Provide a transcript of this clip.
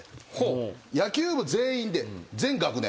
野球部全員で全学年。